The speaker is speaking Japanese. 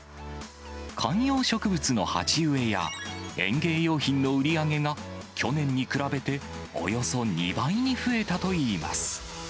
観葉植物の鉢植えや、園芸用品の売り上げが、去年に比べておよそ２倍に増えたといいます。